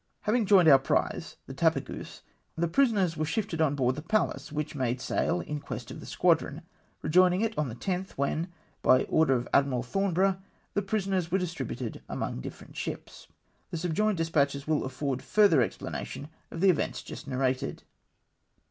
Having joined our prize — the Tapageuse — the pri soners were shifted on board the Pallas, which made sail in quest of the squadron, rejoining it on the 10th, when, by order of Admiral Thornborough, the prisoners were distributed among different sliips. The subjoined despatches will afford further explana tion of the events just narrated.